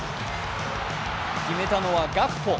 決めたのは、ガクポ。